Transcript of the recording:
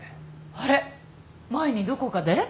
あれ前にどこかで？